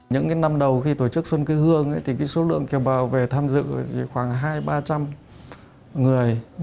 những năm đầu khi tổ chức xuân quê hương số lượng kiều bào về tham dự khoảng hai trăm linh ba trăm linh người